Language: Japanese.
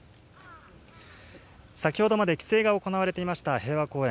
先ほどまで規制が行われていました平和公園。